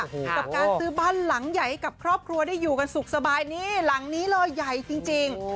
กับการซื้อบ้านหลังใหญ่ให้กับครอบครัวได้อยู่กันสุขสบายนี่หลังนี้เลยใหญ่จริง